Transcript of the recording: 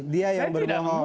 dia yang berbohong